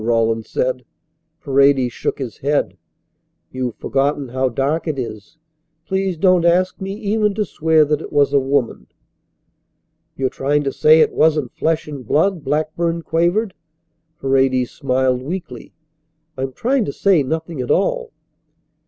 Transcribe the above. Rawlins said. Paredes shook his head. "You've forgotten how dark it is. Please don't ask me even to swear that it was a woman." "You're trying to say it wasn't flesh and blood," Blackburn quavered. Paredes smiled weakly. "I'm trying to say nothing at all."